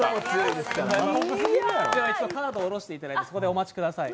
カードを下ろしていただいて、そこでお待ちください。